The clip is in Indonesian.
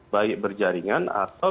baik berjaringan atau